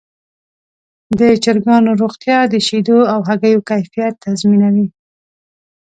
د چرګانو روغتیا د شیدو او هګیو کیفیت تضمینوي.